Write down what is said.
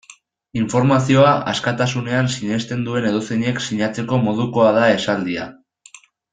Informazioa askatasunean sinesten duen edozeinek sinatzeko modukoa da esaldia.